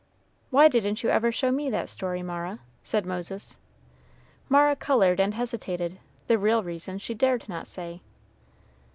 "Why didn't you ever show me that story, Mara?" said Moses. Mara colored and hesitated; the real reason she dared not say.